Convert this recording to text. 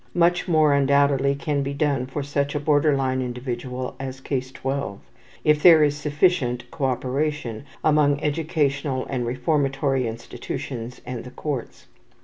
Much more, undoubtedly, can be done for such a border line individual as Case 12, if there is sufficient cooperation among educational and reformatory institutions and the courts.